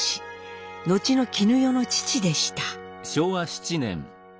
後の絹代の父でした。